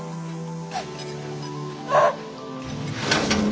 あっ。